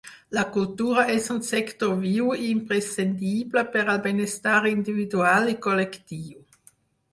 La cultura és un sector viu i imprescindible per al benestar individual i col·lectiu.